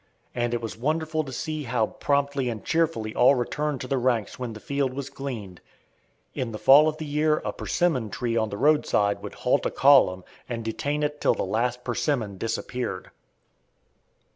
And it was wonderful to see how promptly and cheerfully all returned to the ranks when the field was gleaned. In the fall of the year a persimmon tree on the roadside would halt a column and detain it till the last persimmon disappeared.